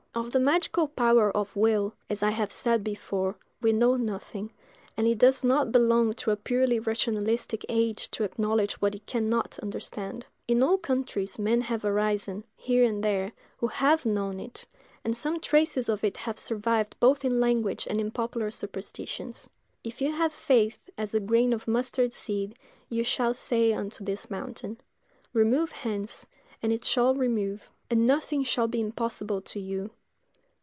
Of the magical power of WILL, as I have said before, we know nothing; and it does not belong to a purely rationalistic age to acknowledge what it can not understand. In all countries men have arisen, here and there, who have known it, and some traces of it have survived both in language and in popular superstitions. "If ye have faith as a grain of mustard seed, ye shall say unto this mountain, 'Remove hence,' and it shall remove; and nothing shall be impossible to you.